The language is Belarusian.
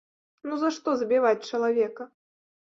Ну, за што забіваць чалавека?